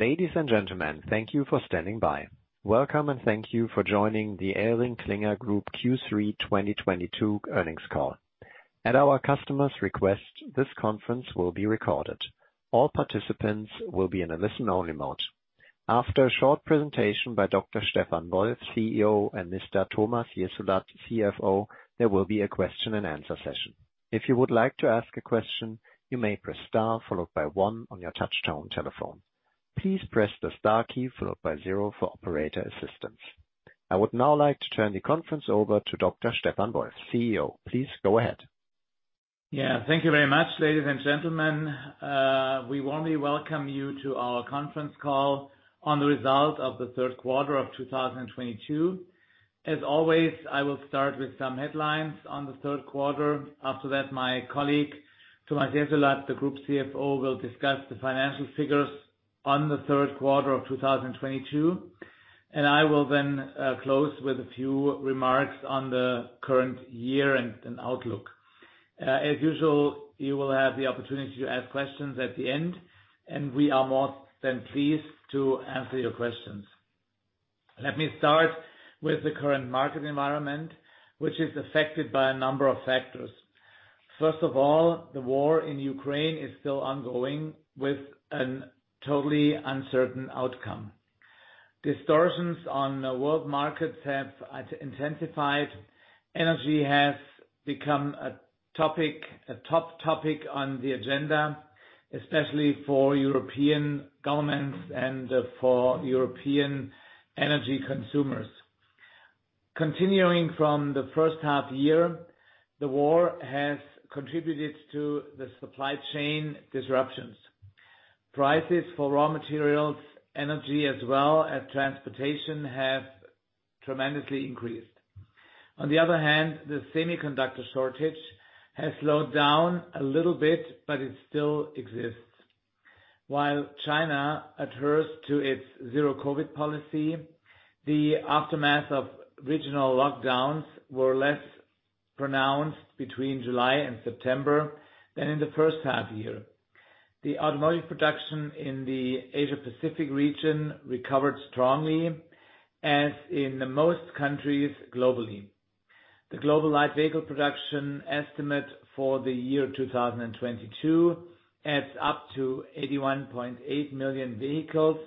Ladies and gentlemen, thank you for standing by. Welcome, and thank you for joining the ElringKlinger Group Q3 2022 Earnings Call. At our customer's request, this conference will be recorded. All participants will be in a listen-only mode. After a short presentation by Dr. Stefan Wolf, CEO, and Mr. Thomas Jessulat, CFO, there will be a question-and-answer session. If you would like to ask a question, you may press star followed by one on your touchtone telephone. Please press the star key followed by zero for operator assistance. I would now like to turn the conference over to Dr. Stefan Wolf, CEO. Please go ahead. Yeah. Thank you very much, ladies and gentlemen. We warmly welcome you to our conference call on the results of the third quarter of 2022. As always, I will start with some headlines on the third quarter. After that, my colleague, Thomas Jessulat, the Group CFO, will discuss the financial figures on the third quarter of 2022, and I will then close with a few remarks on the current year and outlook. As usual, you will have the opportunity to ask questions at the end, and we are more than pleased to answer your questions. Let me start with the current market environment, which is affected by a number of factors. First of all, the war in Ukraine is still ongoing with a totally uncertain outcome. Distortions on the world markets have intensified. Energy has become a topic, a top topic on the agenda, especially for European governments and for European energy consumers. Continuing from the first half year, the war has contributed to the supply chain disruptions. Prices for raw materials, energy as well as transportation have tremendously increased. On the other hand, the semiconductor shortage has slowed down a little bit, but it still exists. While China adheres to its zero COVID policy, the aftermath of regional lockdowns were less pronounced between July and September than in the first half year. The automotive production in the Asia-Pacific region recovered strongly, as in the most countries globally. The global Light Vehicle production estimate for the year 2022 adds up to 81.8 million vehicles,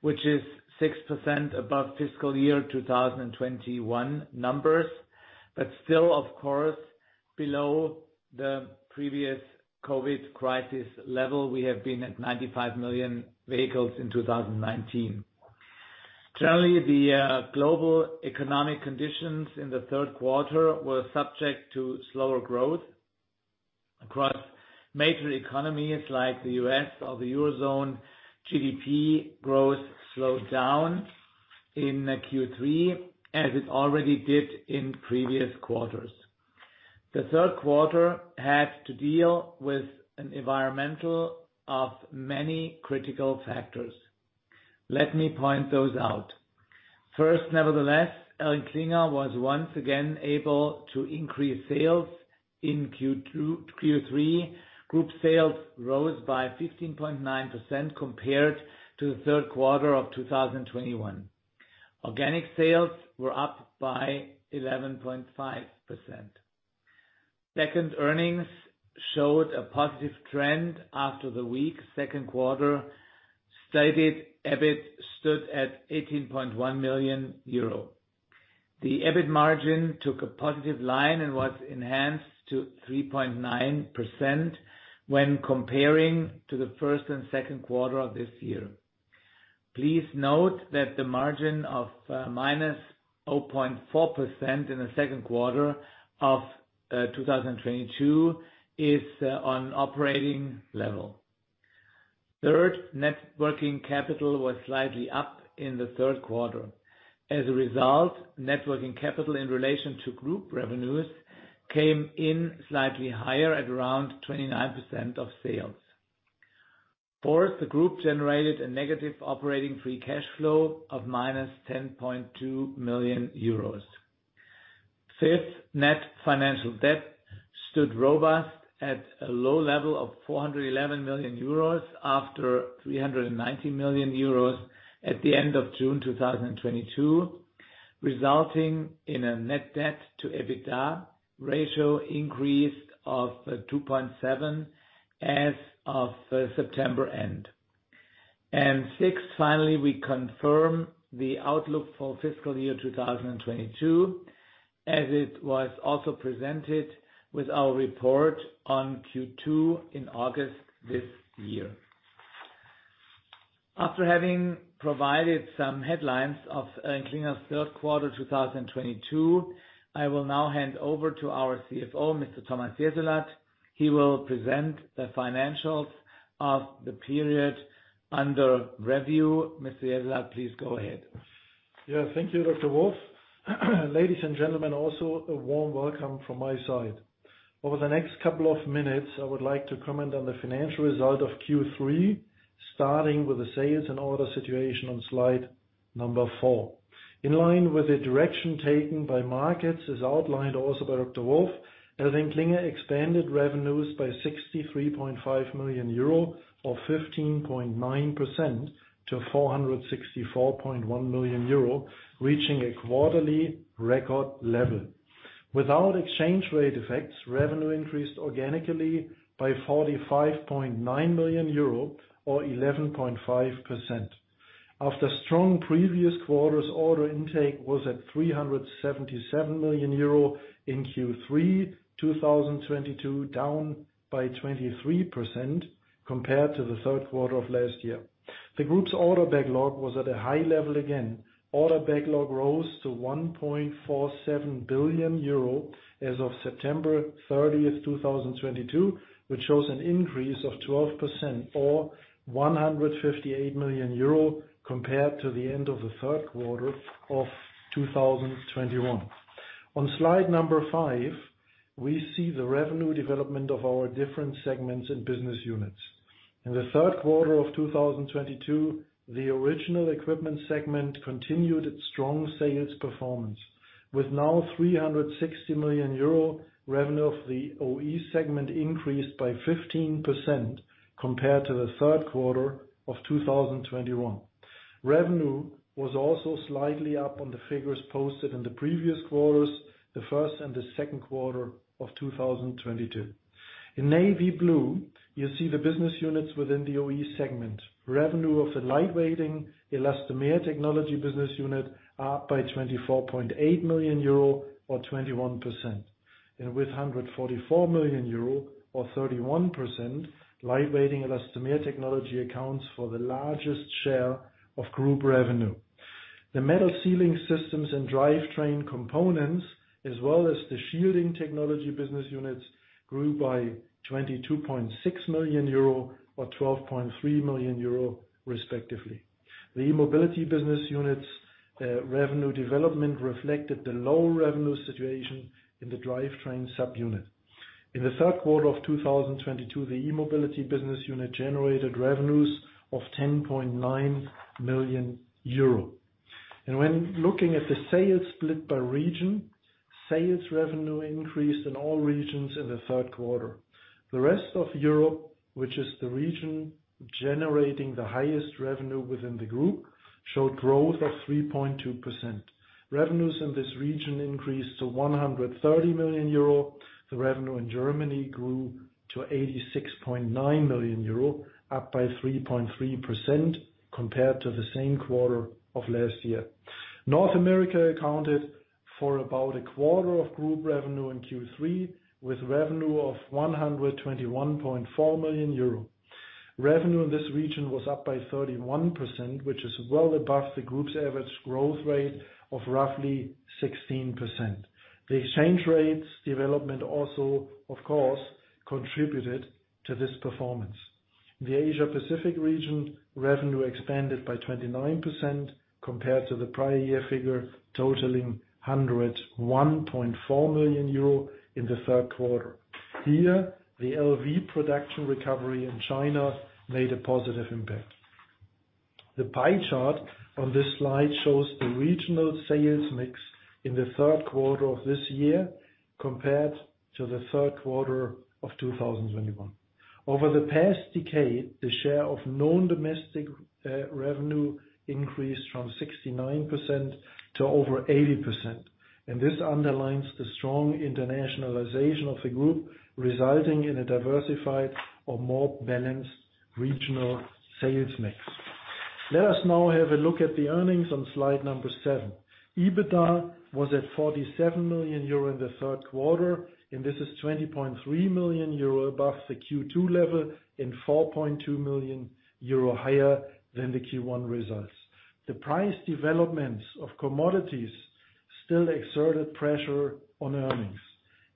which is 6% above fiscal year 2021 numbers, but still, of course, below the previous COVID crisis level. We have been at 95 million vehicles in 2019. Generally, the global economic conditions in the third quarter were subject to slower growth across major economies like the U.S. or the Eurozone. GDP growth slowed down in Q3, as it already did in previous quarters. The third quarter had to deal with an environment of many critical factors. Let me point those out. First, nevertheless, ElringKlinger was once again able to increase sales in Q3. Group sales rose by 15.9% compared to the third quarter of 2021. Organic sales were up by 11.5%. Second, earnings showed a positive trend after the weak second quarter. Stated EBIT stood at 18.1 million euro. The EBIT margin took a positive line and was enhanced to 3.9% when comparing to the first and second quarter of this year. Please note that the margin of -0.4% in the second quarter of 2022 is on operating level. Third, net working capital was slightly up in the third quarter. As a result, net working capital in relation to group revenues came in slightly higher at around 29% of sales. Fourth, the group generated a negative operating free cash flow of -10.2 million euros. Fifth, net financial debt stood robust at a low level of 411 million euros, after 390 million euros at the end of June 2022, resulting in a net debt to EBITDA ratio increase of 2.7 as of September end. Sixth, finally, we confirm the outlook for fiscal year 2022, as it was also presented with our report on Q2 in August this year. After having provided some headlines of ElringKlinger's third quarter 2022, I will now hand over to our CFO, Mr. Thomas Jessulat. He will present the financials of the period under review. Mr. Jessulat, please go ahead. Yeah. Thank you, Dr. Wolf. Ladies and gentlemen, also, a warm welcome from my side. Over the next couple of minutes, I would like to comment on the financial result of Q3, starting with the sales and order situation on slide number four. In line with the direction taken by markets, as outlined also by Dr. Wolf, ElringKlinger expanded revenues by 63.5 million euro or 15.9% to 464.1 million euro, reaching a quarterly record level. Without exchange rate effects, revenue increased organically by 45.9 million euro or 11.5%. After strong previous quarters, order intake was at 377 million euro in Q3 2022, down by 23% compared to the third quarter of last year. The group's order backlog was at a high level again. Order backlog rose to 1.47 billion euro as of September 30, 2022, which shows an increase of 12% or 158 million euro compared to the end of the third quarter of 2021. On slide five, we see the revenue development of our different segments and business units. In the third quarter of 2022, the original equipment segment continued its strong sales performance. With now 360 million euro, revenue of the OE segment increased by 15% compared to the third quarter of 2021. Revenue was also slightly up on the figures posted in the previous quarters, the first and the second quarter of 2022. In navy blue, you see the business units within the OE segment. Revenue of the Lightweighting Elastomer Technology business unit is up by 24.8 million euro or 21%. With 144 million euro or 31%, Lightweighting Elastomer Technology accounts for the largest share of group revenue. The Metal Sealing Systems & Drivetrain Components, as well as the Shielding Technology business units, grew by 22.6 million euro and 12.3 million euro respectively. The E-Mobility business unit's revenue development reflected the low revenue situation in the drivetrain subunit. In the third quarter of 2022, the E-Mobility business unit generated revenues of 10.9 million euro. When looking at the sales split by region, sales revenue increased in all regions in the third quarter. The Rest of Europe, which is the region generating the highest revenue within the group, showed growth of 3.2%. Revenues in this region increased to 130 million euro. The revenue in Germany grew to 86.9 million euro, up by 3.3% compared to the same quarter of last year. North America accounted for about a quarter of group revenue in Q3, with revenue of 121.4 million euro. Revenue in this region was up by 31%, which is well above the group's average growth rate of roughly 16%. The exchange rates development also, of course, contributed to this performance. The Asia-Pacific region revenue expanded by 29% compared to the prior year figure, totaling 101.4 million euro in the third quarter. Here, the LV production recovery in China made a positive impact. The pie chart on this slide shows the regional sales mix in the third quarter of this year compared to the third quarter of 2021. Over the past decade, the share of non-domestic revenue increased from 69% to over 80%, and this underlines the strong internationalization of the group, resulting in a diversified or more balanced regional sales mix. Let us now have a look at the earnings on slide seven. EBITDA was at 47 million euro in the third quarter, and this is 20.3 million euro above the Q2 level and 4.2 million euro higher than the Q1 results. The price developments of commodities still exerted pressure on earnings.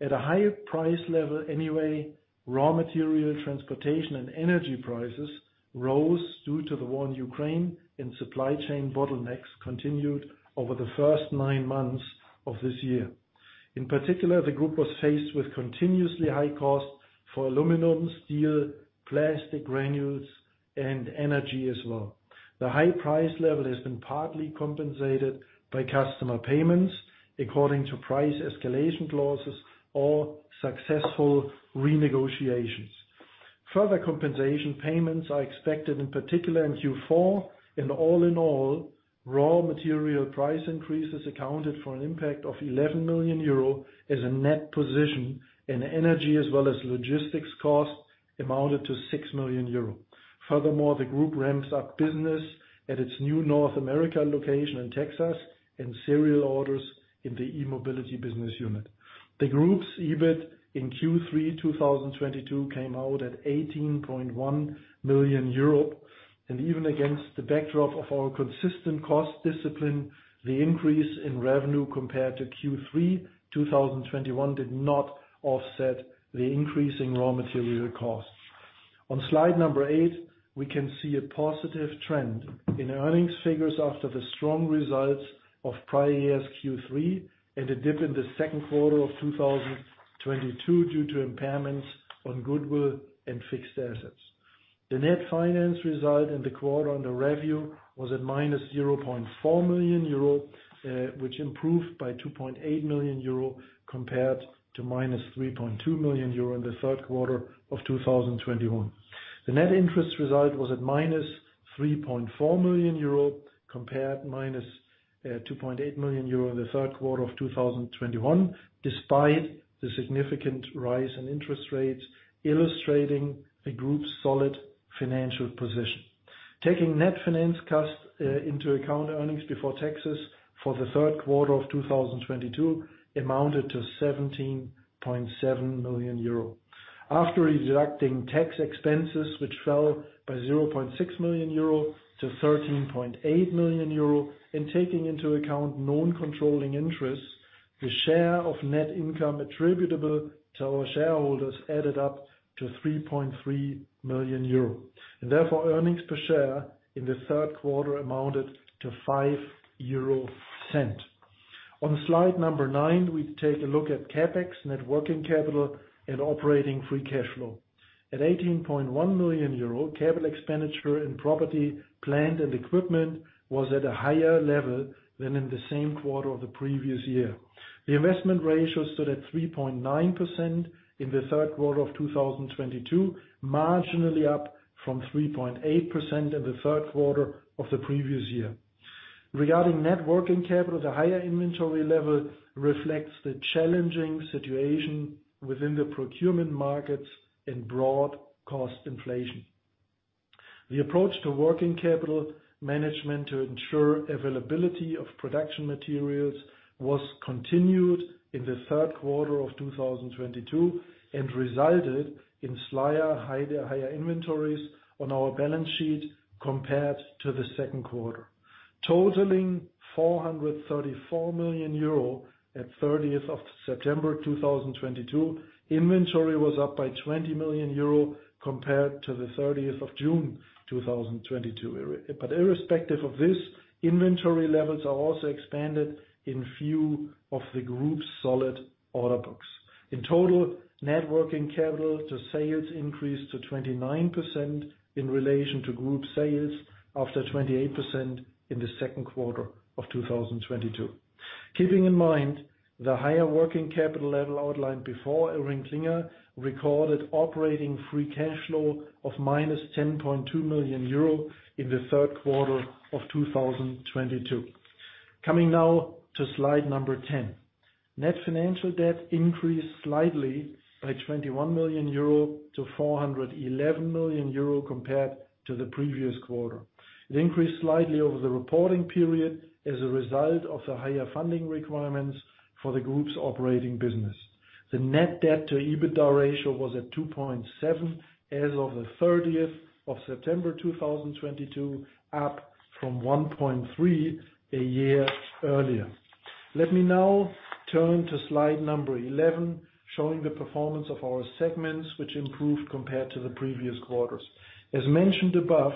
At a higher price level anyway, raw material, transportation, and energy prices rose due to the war in Ukraine and supply chain bottlenecks continued over the first nine months of this year. In particular, the group was faced with continuously high costs for aluminum, steel, plastic granules, and energy as well. The high price level has been partly compensated by customer payments according to price escalation clauses or successful renegotiations. Further compensation payments are expected, in particular in Q4, and all in all, raw material price increases accounted for an impact of 11 million euro as a net position in energy as well as logistics costs amounted to 6 million euro. Furthermore, the group ramps up business at its new North America location in Texas and serial orders in the E-Mobility business unit. The group's EBIT in Q3 2022 came out at 18.1 million euro, and even against the backdrop of our consistent cost discipline, the increase in revenue compared to Q3 2021 did not offset the increase in raw material costs. On slide eight, we can see a positive trend in earnings figures after the strong results of prior year's Q3 and a dip in the second quarter of 2022 due to impairments on goodwill and fixed assets. The net finance result in the quarter under review was at -0.4 million euro, which improved by 2.8 million euro compared to -3.2 million euro in the third quarter of 2021. The net interest result was at -3.4 million euro compared minus 2.8 million euro in the third quarter of 2021, despite the significant rise in interest rates, illustrating the group's solid financial position. Taking net finance costs into account, earnings before taxes for the third quarter of 2022 amounted to 17.7 million euro. After deducting tax expenses, which fell by 0.6 million-13.8 million euro and taking into account non-controlling interests, the share of net income attributable to our shareholders added up to 3.3 million euro. Therefore, earnings per share in the third quarter amounted to 0.05. On slide nine, we take a look at CapEx, net working capital, and operating free cash flow. At 18.1 million euro, capital expenditure and property, plant, and equipment was at a higher level than in the same quarter of the previous year. The investment ratio stood at 3.9% in the third quarter of 2022, marginally up from 3.8% in the third quarter of the previous year. Regarding net working capital, the higher inventory level reflects the challenging situation within the procurement markets and broad cost inflation. The approach to working capital management to ensure availability of production materials was continued in the third quarter of 2022 and resulted in slightly higher inventories on our balance sheet compared to the second quarter. Totaling 434 million euro at 30 September 2022, inventory was up by 20 million euro compared to 30 June 2022. Irrespective of this, inventory levels are also expanded in view of the group's solid order books. In total, net working capital to sales increased to 29% in relation to group sales after 28% in the second quarter of 2022. Keeping in mind the higher working capital level outlined before, ElringKlinger recorded operating free cash flow of -10.2 million euro in the third quarter of 2022. Coming now to slide number 10. Net financial debt increased slightly by 21 million-411 million euro compared to the previous quarter. It increased slightly over the reporting period as a result of the higher funding requirements for the group's operating business. The net debt to EBITDA ratio was at 2.7 as of the 30th of September 2022, up from 1.3 a year earlier. Let me now turn to slide number 11, showing the performance of our segments, which improved compared to the previous quarters. As mentioned above,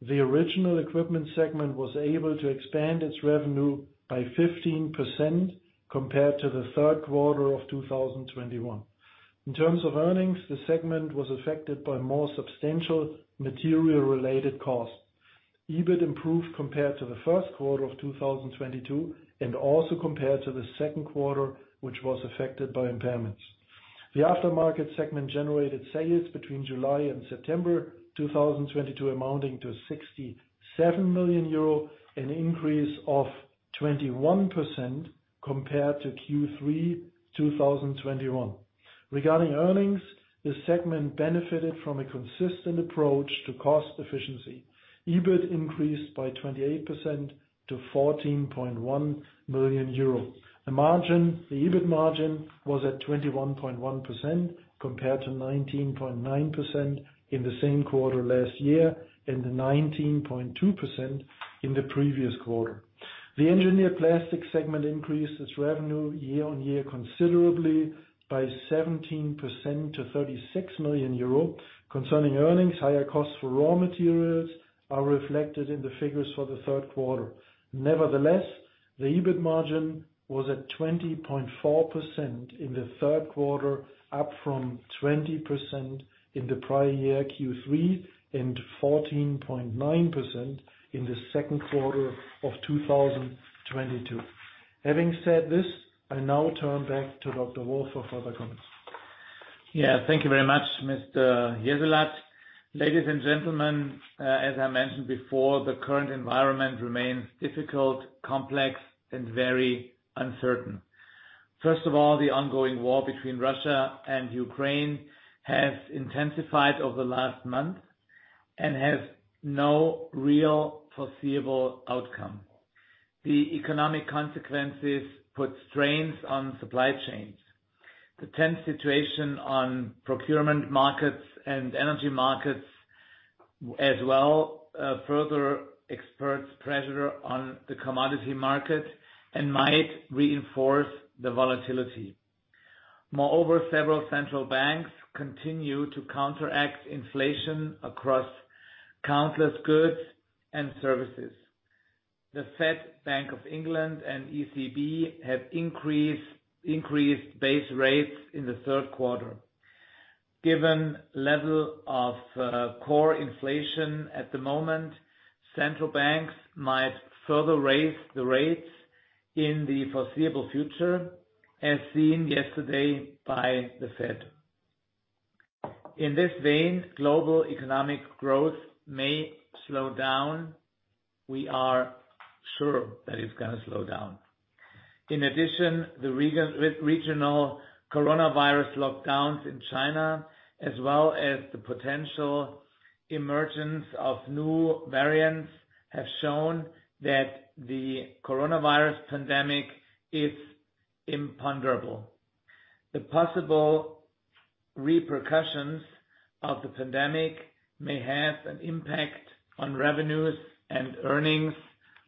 the original equipment segment was able to expand its revenue by 15% compared to the third quarter of 2021. In terms of earnings, the segment was affected by more substantial material-related costs. EBIT improved compared to the first quarter of 2022 and also compared to the second quarter, which was affected by impairments. The aftermarket segment generated sales between July and September 2022 amounting to 67 million euro, an increase of 21% compared to Q3 2021. Regarding earnings, this segment benefited from a consistent approach to cost efficiency. EBIT increased by 28% to 14.1 million euro. The margin, the EBIT margin was at 21.1% compared to 19.9% in the same quarter last year and 19.2% in the previous quarter. The Engineered Plastics segment increased its revenue year-on-year considerably by 17% to 36 million euro. Concerning earnings, higher costs for raw materials are reflected in the figures for the third quarter. Nevertheless, the EBIT margin was at 20.4% in the third quarter, up from 20% in the prior year Q3, and 14.9% in the second quarter of 2022. Having said this, I now turn back to Dr. Wolf for further comments. Yeah. Thank you very much, Mr. Jessulat. Ladies and gentlemen, as I mentioned before, the current environment remains difficult, complex, and very uncertain. First of all, the ongoing war between Russia and Ukraine has intensified over the last month and has no real foreseeable outcome. The economic consequences put strains on supply chains. The tense situation on procurement markets and energy markets as well, further exerts pressure on the commodity market and might reinforce the volatility. Moreover, several central banks continue to counteract inflation across countless goods and services. The Fed, Bank of England, and ECB have increased base rates in the third quarter. Given the level of core inflation at the moment, central banks might further raise the rates in the foreseeable future, as seen yesterday by the Fed. In this vein, global economic growth may slow down. We are sure that it's gonna slow down. In addition, the regional coronavirus lockdowns in China, as well as the potential emergence of new variants, have shown that the coronavirus pandemic is imponderable. The possible repercussions of the pandemic may have an impact on revenues and earnings,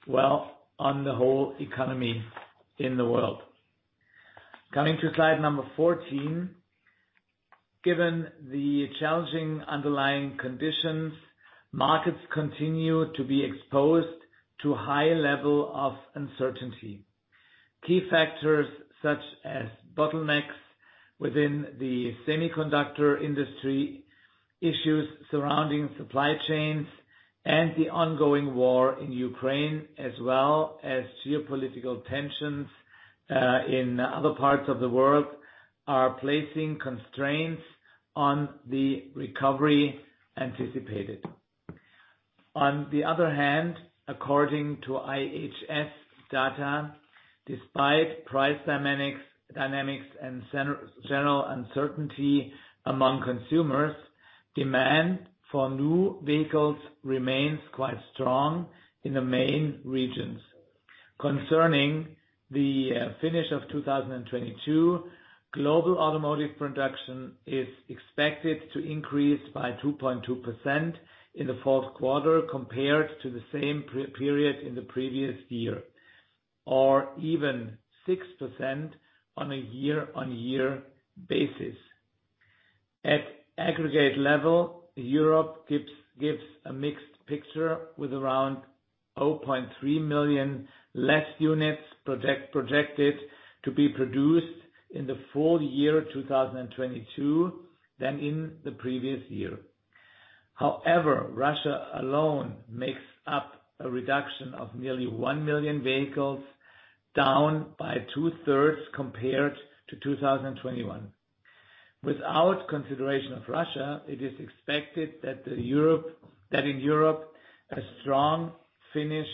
well, on the whole economy in the world. Coming to slide number 14. Given the challenging underlying conditions, markets continue to be exposed to high level of uncertainty. Key factors such as bottlenecks within the semiconductor industry, issues surrounding supply chains, and the ongoing war in Ukraine, as well as geopolitical tensions in other parts of the world, are placing constraints on the recovery anticipated. On the other hand, according to IHS data, despite price dynamics and general uncertainty among consumers, demand for new vehicles remains quite strong in the main regions. Concerning the finish of 2022, global automotive production is expected to increase by 2.2% in the fourth quarter compared to the same period in the previous year, or even 6% on a year-on-year basis. At aggregate level, Europe gives a mixed picture with around 0.3 million less units projected to be produced in the full year 2022, than in the previous year. However, Russia alone makes up a reduction of nearly 1 million vehicles, down by two-thirds compared to 2021. Without consideration of Russia, it is expected that in Europe, a strong finish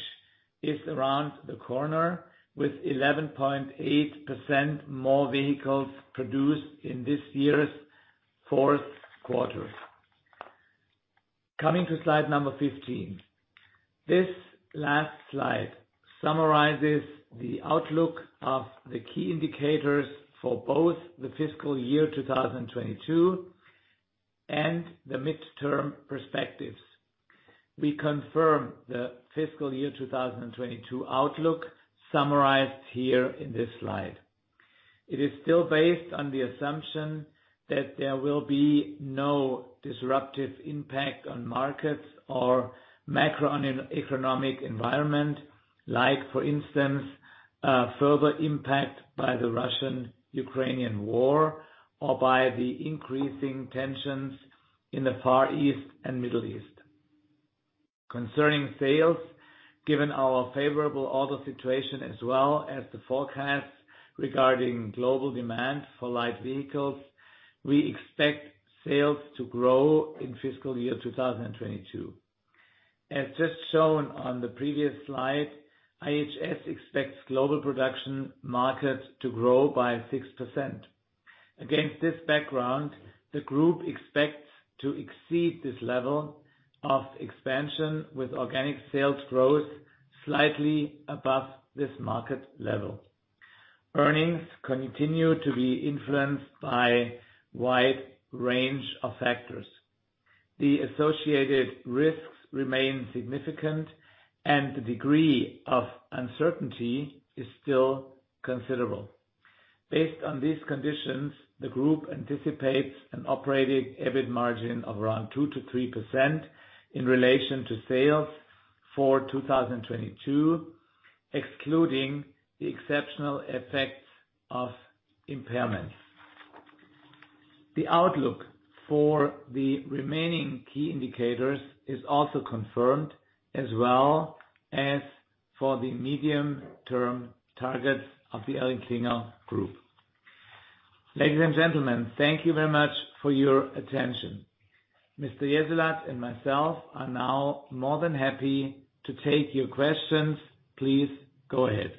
is around the corner, with 11.8% more vehicles produced in this year's fourth quarter. Coming to slide number 15. This last slide summarizes the outlook of the key indicators for both the fiscal year 2022, and the midterm perspectives. We confirm the fiscal year 2022 outlook summarized here in this slide. It is still based on the assumption that there will be no disruptive impact on markets or macroeconomic environment, like for instance, further impact by the Russian-Ukrainian war or by the increasing tensions in the Far East and Middle East. Concerning sales, given our favorable order situation as well as the forecast regarding global demand for light vehicles, we expect sales to grow in fiscal year 2022. As just shown on the previous slide, IHS expects global production markets to grow by 6%. Against this background, the group expects to exceed this level of expansion with organic sales growth slightly above this market level. Earnings continue to be influenced by wide range of factors. The associated risks remain significant, and the degree of uncertainty is still considerable. Based on these conditions, the group anticipates an operating EBIT margin of around 2%-3% in relation to sales for 2022, excluding the exceptional effects of impairments. The outlook for the remaining key indicators is also confirmed, as well as for the medium-term targets of the ElringKlinger Group. Ladies and gentlemen, thank you very much for your attention. Mr. Jessulat and myself are now more than happy to take your questions. Please go ahead.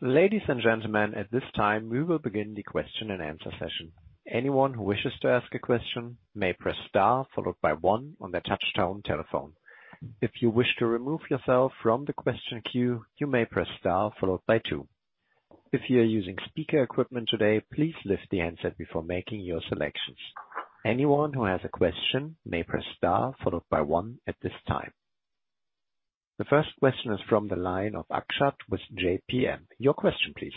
Ladies and gentlemen, at this time, we will begin the question and answer session. Anyone who wishes to ask a question may press star followed by one on their touchtone telephone. If you wish to remove yourself from the question queue, you may press star followed by two. If you are using speaker equipment today, please lift the handset before making your selections. Anyone who has a question may press star followed by one at this time. The first question is from the line of Akshat Kacker with J.P. Morgan. Your question please.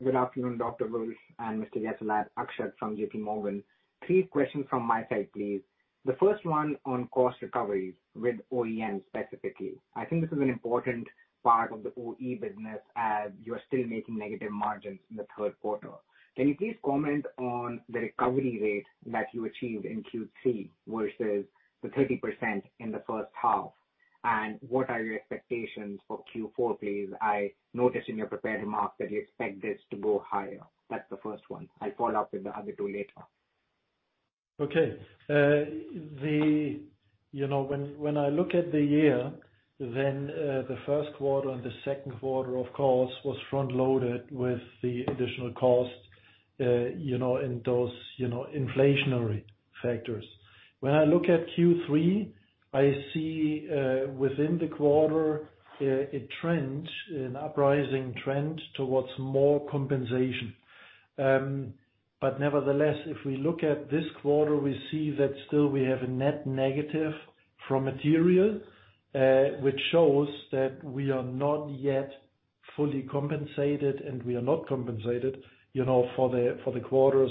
Good afternoon, Dr. Wolf and Mr. Jessulat. Akshat from J.P. Morgan. Three questions from my side, please. The first one on cost recovery with OEM specifically. I think this is an important part of the OE business, as you are still making negative margins in the third quarter. Can you please comment on the recovery rate that you achieved in Q3 versus the 30% in the first half? And what are your expectations for Q4, please? I noticed in your prepared remarks that you expect this to go higher. That's the first one. I'll follow up with the other two later. You know, when I look at the year, then the first quarter and the second quarter, of course, was front-loaded with the additional costs, you know, and those, you know, inflationary factors. When I look at Q3, I see within the quarter a trend, a rising trend towards more compensation. Nevertheless, if we look at this quarter, we see that still we have a net negative from material, which shows that we are not yet fully compensated and we are not compensated, you know, for the quarters,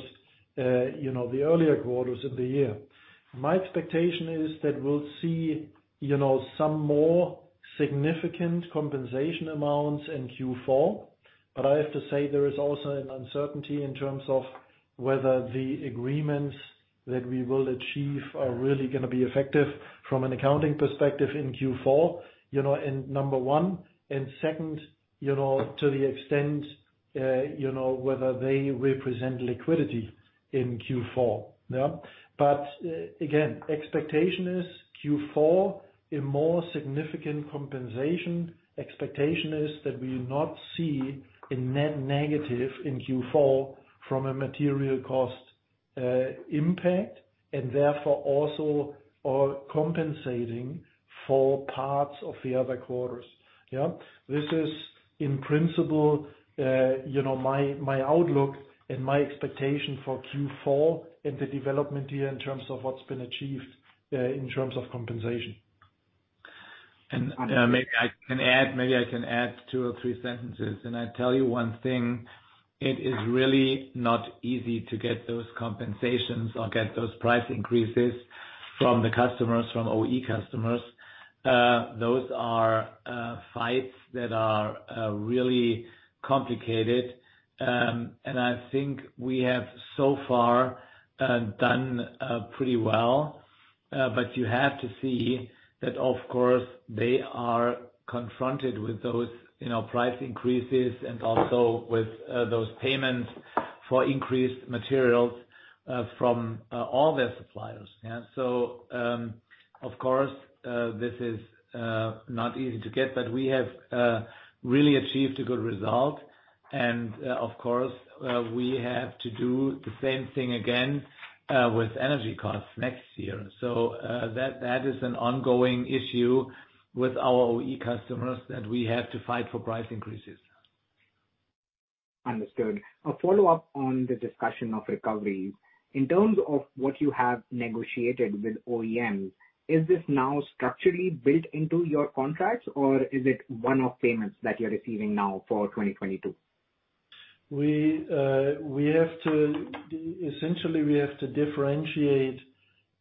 you know, the earlier quarters of the year. My expectation is that we'll see, you know, some more significant compensation amounts in Q4. I have to say there is also an uncertainty in terms of whether the agreements that we will achieve are really gonna be effective from an accounting perspective in Q4, you know, and number one. Second, you know, to the extent, whether they represent liquidity in Q4. Yeah? Again, expectation is Q4, a more significant compensation. Expectation is that we will not see a net negative in Q4 from a material cost impact, and therefore also are compensating for parts of the other quarters. Yeah? This is in principle, you know, my outlook and my expectation for Q4 and the development here in terms of what's been achieved in terms of compensation. Maybe I can add two or three sentences. I tell you one thing, it is really not easy to get those compensations or get those price increases from the customers, from OE customers. Those are fights that are really complicated. I think we have so far done pretty well. You have to see that, of course, they are confronted with those, you know, price increases and also with those payments for increased materials from all their suppliers. Yeah. Of course, this is not easy to get, but we have really achieved a good result. Of course, we have to do the same thing again with energy costs next year. That is an ongoing issue with our OE customers, that we have to fight for price increases. Understood. A follow-up on the discussion of recovery. In terms of what you have negotiated with OEM, is this now structurally built into your contracts or is it one-off payments that you're receiving now for 2022? We have to differentiate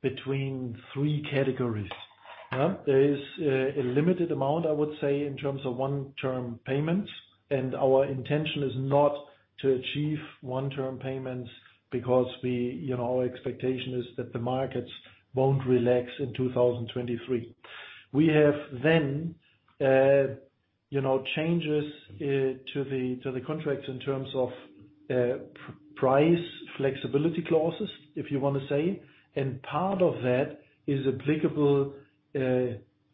between three categories. There is a limited amount, I would say, in terms of one-off payments, and our intention is not to achieve one-off payments because, you know, our expectation is that the markets won't relax in 2023. We have then changes to the contracts in terms of price flexibility clauses, if you wanna say. Part of that is applicable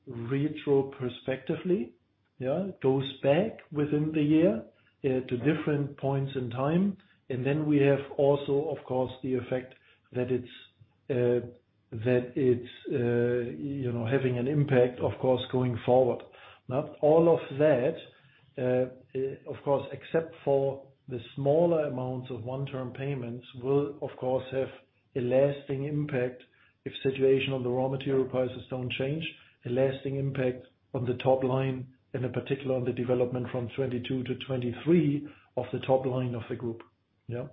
retrospectively. It goes back within the year to different points in time. We have also, of course, the effect that it's having an impact, of course, going forward. Now, all of that, of course, except for the smaller amounts of one-time payments, will of course have a lasting impact if the situation on the raw material prices doesn't change, a lasting impact on the top line and in particular on the development from 2022-2023 of the top line of the group. Yeah.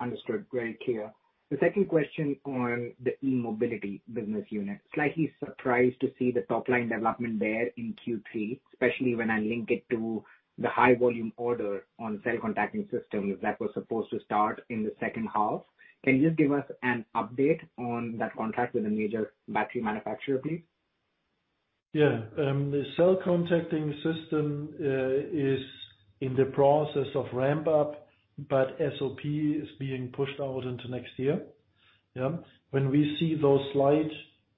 Understood. Very clear. The second question on the E-Mobility business unit. Slightly surprised to see the top-line development there in Q3, especially when I link it to the high volume order on Cell Contacting System that was supposed to start in the second half. Can you give us an update on that contract with a major battery manufacturer, please? The Cell Contacting System is in the process of ramp-up, but SOP is being pushed out into next year. When we see those slight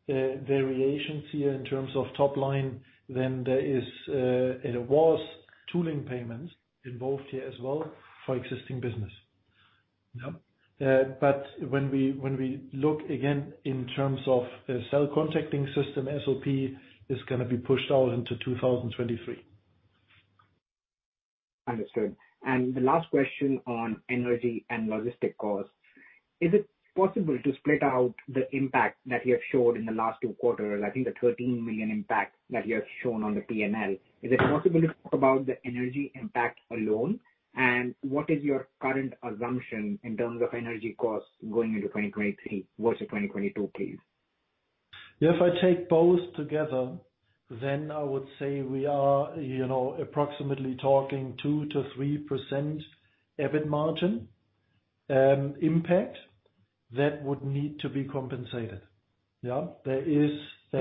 variations here in terms of top-line, then it was tooling payments involved here as well for existing business. When we look again in terms of the Cell Contacting System, SOP is gonna be pushed out into 2023. Understood. The last question on energy and logistics costs. Is it possible to split out the impact that you have showed in the last two quarters? I think the 13 million impact that you have shown on the P&L. Is it possible to talk about the energy impact alone? What is your current assumption in terms of energy costs going into 2023 versus 2022, please? Yes, if I take both together, then I would say we are, you know, approximately talking 2%-3% EBIT margin impact that would need to be compensated. Yeah. There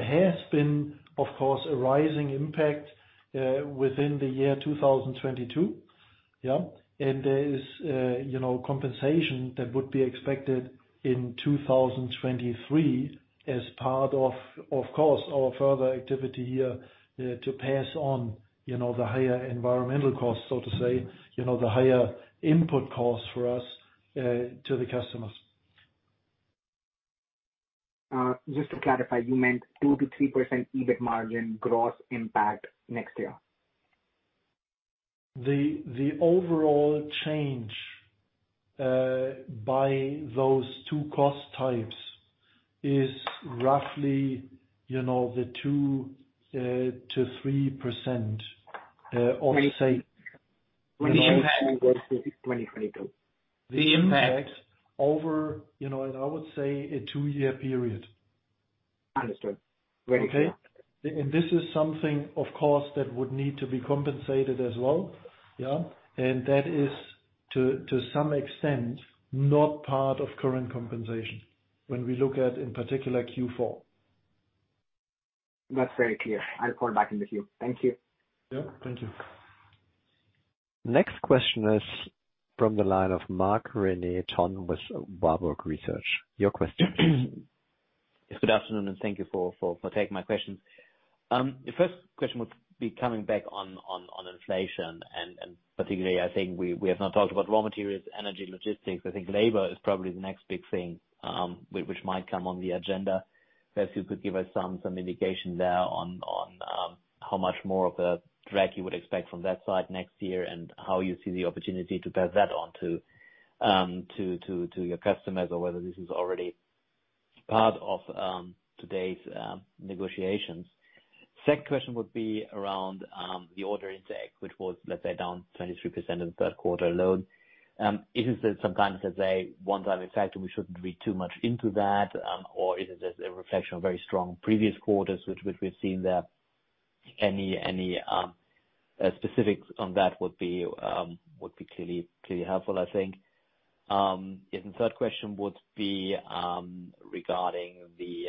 has been, of course, a rising impact within the year 2022. Yeah. There is, you know, compensation that would be expected in 2023 as part of course, our further activity here to pass on, you know, the higher environmental costs, so to say, you know, the higher input costs for us to the customers. Just to clarify, you meant 2%-3% EBIT margin gross impact next year? The overall change by those two cost types is roughly, you know, 2%-3% of say- The impact versus 2022. The impact. The impact over, you know, and I would say a two-year period. Understood. Very clear. Okay? This is something, of course, that would need to be compensated as well. Yeah. That is to some extent, not part of current compensation when we look at, in particular, Q4. That's very clear. I'll call back in the queue. Thank you. Yeah, thank you. Next question is from the line of Marc-René Tonn with Warburg Research. Your question. Yes, good afternoon, and thank you for taking my question. The first question would be coming back on inflation and particularly I think we have not talked about raw materials, energy, logistics. I think labor is probably the next big thing, which might come on the agenda. Perhaps you could give us some indication there on how much more of a drag you would expect from that side next year and how you see the opportunity to pass that on to your customers or whether this is already part of today's negotiations. Second question would be around the order intake, which was, let's say, down 23% in the third quarter alone. Is it some kind of, let's say, one-time effect and we shouldn't read too much into that, or is it just a reflection of very strong previous quarters which we've seen there? Any specifics on that would be clearly helpful, I think. The third question would be regarding the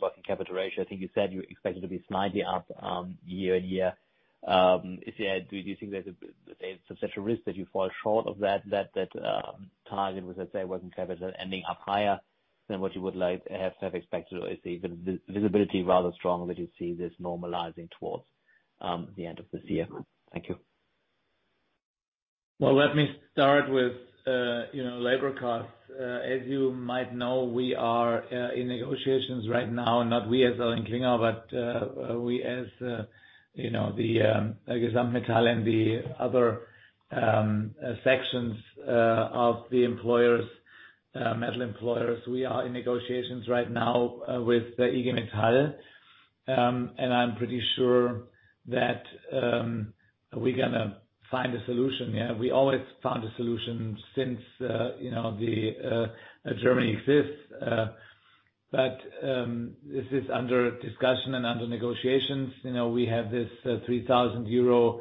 working capital ratio. I think you said you expect it to be slightly up year-on-year. Do you think there's a such a risk that you fall short of that target, let's say, working capital ending up higher than what you would like have expected? Or is the visibility rather strong that you see this normalizing towards the end of this year? Thank you. Well, let me start with, you know, labor costs. As you might know, we are in negotiations right now, not we as ElringKlinger, but we as, you know, the Gesamtmetall and the other sections of the employers, metal employers. We are in negotiations right now with the IG Metall, and I'm pretty sure that we're gonna find a solution. Yeah. We always found a solution since, you know, the Germany exists. This is under discussion and under negotiations. You know, we have this 3,000 euro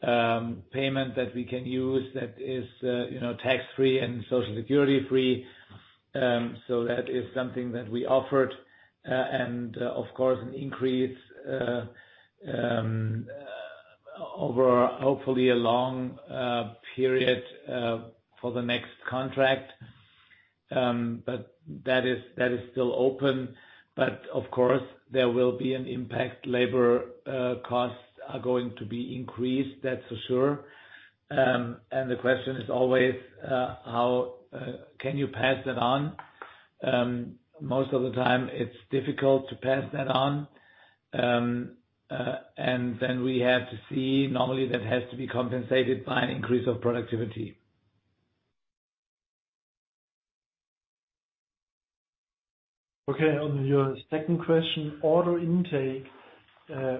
payment that we can use that is, you know, tax-free and Social Security free. So that is something that we offered. And of course, an increase over hopefully a long period for the next contract. That is still open. Of course, there will be an impact. Labor costs are going to be increased, that's for sure. The question is always, how can you pass that on? Most of the time it's difficult to pass that on. We have to see, normally that has to be compensated by an increase of productivity. Okay, on your second question, order intake.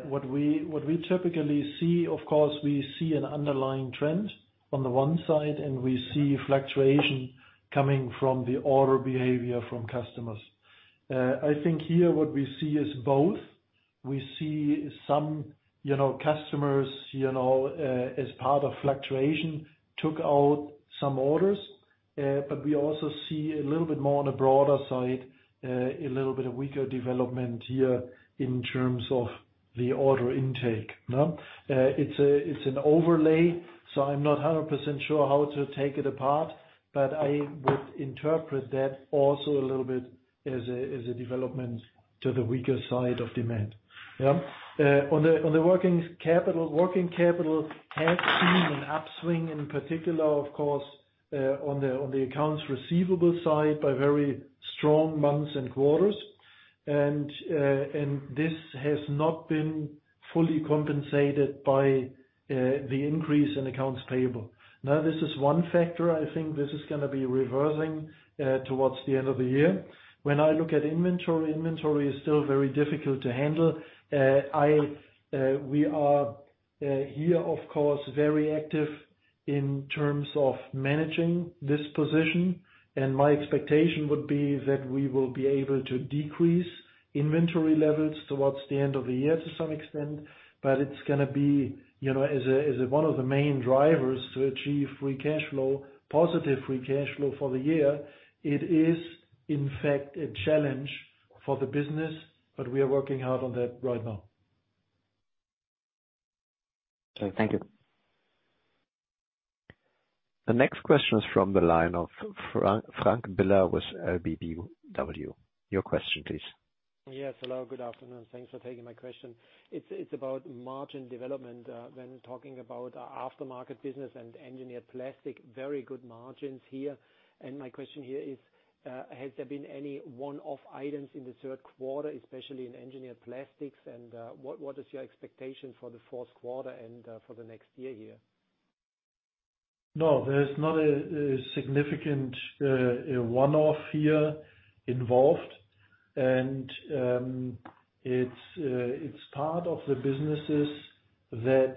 What we typically see, of course, we see an underlying trend on the one side, and we see fluctuation coming from the order behavior from customers. I think here what we see is both. We see some, you know, customers, you know, as part of fluctuation, took out some orders. We also see a little bit more on a broader side, a little bit of weaker development here in terms of the order intake. No? It's an overlay, so I'm not 100% sure how to take it apart, but I would interpret that also a little bit as a development to the weaker side of demand. On the working capital, working capital has seen an upswing, in particular, of course, on the accounts receivable side by very strong months and quarters. This has not been fully compensated by the increase in accounts payable. Now, this is one factor. I think this is gonna be reversing towards the end of the year. When I look at inventory is still very difficult to handle. We are here, of course, very active in terms of managing this position, and my expectation would be that we will be able to decrease inventory levels towards the end of the year to some extent. It's gonna be, you know, as one of the main drivers to achieve free cash flow, positive free cash flow for the year. It is in fact a challenge for the business, but we are working hard on that right now. Thank you. The next question is from the line of Frank Biller with LBBW. Your question please. Yes. Hello. Good afternoon. Thanks for taking my question. It's about margin development, when talking about Aftermarket business and Engineered Plastics, very good margins here. My question here is, has there been any one-off items in the third quarter, especially in Engineered Plastics? What is your expectation for the fourth quarter and, for the next year here? No, there's not a significant one-off here involved. It's part of the businesses that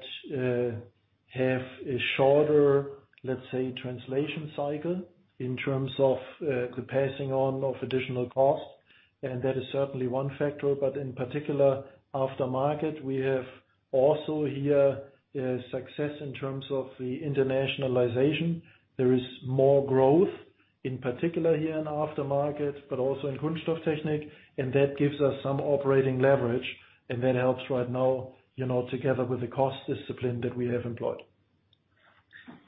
have a shorter, let's say, translation cycle in terms of the passing on of additional costs, and that is certainly one factor. In particular, Aftermarket, we have also here success in terms of the internationalization. There is more growth, in particular here in Aftermarket, but also in Kunststofftechnik, and that gives us some operating leverage. That helps right now, you know, together with the cost discipline that we have employed.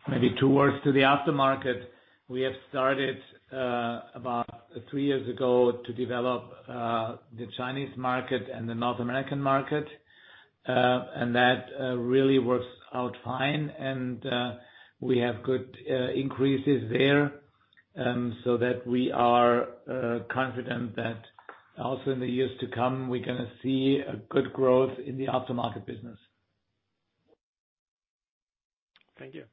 Maybe two words to the Aftermarket. We have started about three years ago to develop the Chinese market and the North American market, and that really works out fine. We have good increases there, so that we are confident that also in the years to come, we're gonna see a good growth in the aftermarket business. Thank you.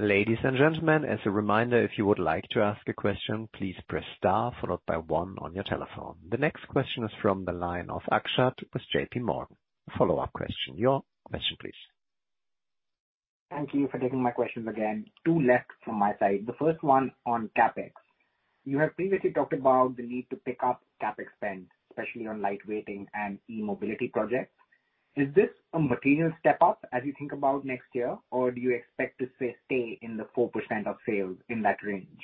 Ladies and gentlemen, as a reminder, if you would like to ask a question, please press star followed by one on your telephone. The next question is from the line of Akshat with J.P. Morgan. A follow-up question. Your question please. Thank you for taking my questions again. Two left from my side. The first one on CapEx. You have previously talked about the need to pick up CapEx spend, especially on lightweighting and E-Mobility projects. Is this a material step up as you think about next year, or do you expect to stay in the 4% of sales in that range?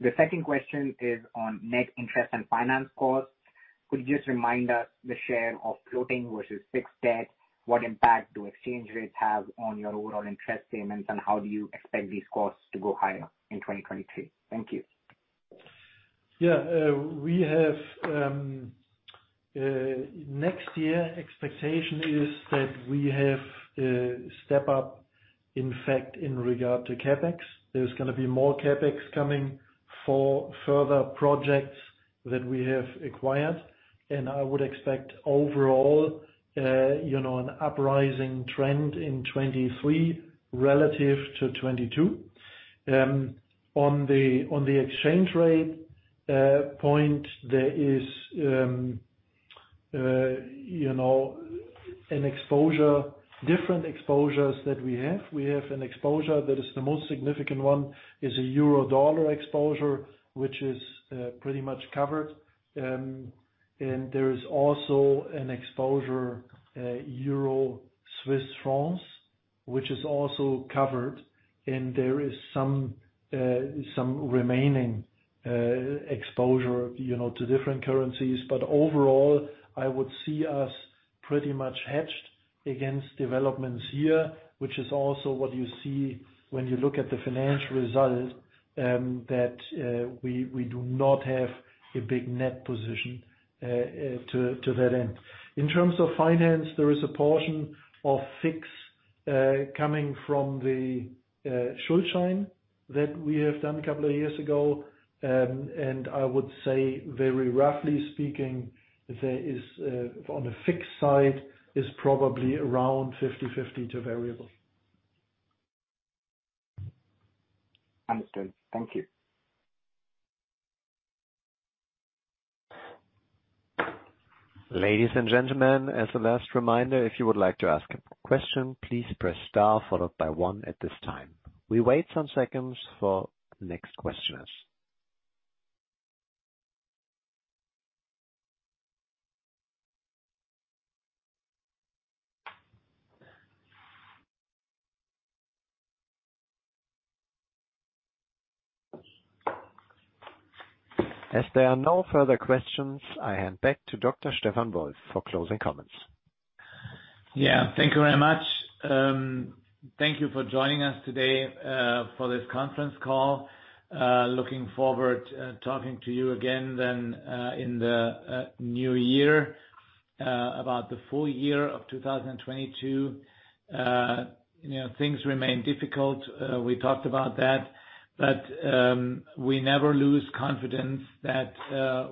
The second question is on net interest and finance costs. Could you just remind us the share of floating versus fixed debt? What impact do exchange rates have on your overall interest payments, and how do you expect these costs to go higher in 2023? Thank you. Yeah, we have next year expectation is that we have a step up, in fact, in regard to CapEx. There's gonna be more CapEx coming for further projects that we have acquired. I would expect overall, you know, an upward trend in 2023 relative to 2022. On the exchange rate point, there is, you know, an exposure, different exposures that we have. We have an exposure that is the most significant one, is a euro-dollar exposure, which is pretty much covered. There is also an exposure, euro-Swiss francs, which is also covered. There is some remaining exposure, you know, to different currencies. Overall, I would see us pretty much hedged against developments here, which is also what you see when you look at the financial results that we do not have a big net position to that end. In terms of finance, there is a portion of fixed coming from the Schuldschein that we have done a couple of years ago. I would say very roughly speaking, there is on the fixed side probably around 50-50 to variable. Understood. Thank you. Ladies and gentlemen, as a last reminder, if you would like to ask a question, please press star followed by one at this time. We wait some seconds for next questioners. As there are no further questions, I hand back to Dr. Stefan Wolf for closing comments. Yeah. Thank you very much. Thank you for joining us today for this conference call. Looking forward talking to you again then in the new year about the full year of 2022. You know, things remain difficult, we talked about that. We never lose confidence that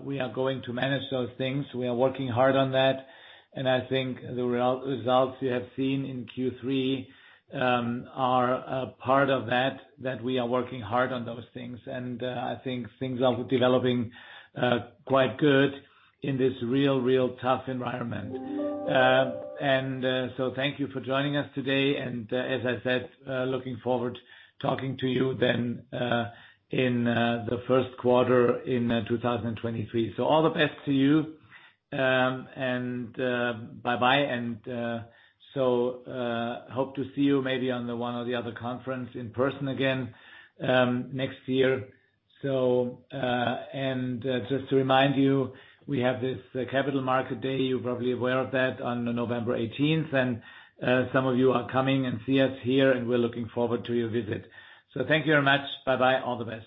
we are going to manage those things. We are working hard on that, and I think the results you have seen in Q3 are a part of that we are working hard on those things. I think things are developing quite good in this real tough environment. So thank you for joining us today. As I said, looking forward talking to you then in the first quarter in 2023. All the best to you and bye-bye. Hope to see you maybe on the one or the other conference in person again next year. Just to remind you, we have this Capital Markets Day. You're probably aware of that, on November 18th. Some of you are coming to see us here, and we're looking forward to your visit. Thank you very much. Bye-bye. All the best.